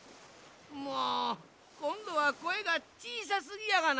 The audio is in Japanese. もうこんどはこえがちいさすぎやがな。